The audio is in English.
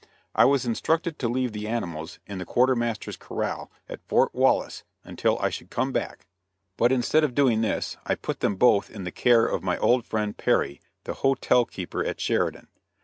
I was instructed to leave the animals in the quartermaster's corral at Fort Wallace until I should come back, but instead of doing this I put them both in the care of my old friend Perry, the hotel keeper at Sheridan.